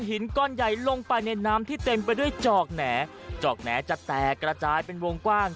หินก้อนใหญ่ลงไปในน้ำที่เต็มไปด้วยจอกแหน่จอกแหน่จะแตกกระจายเป็นวงกว้าง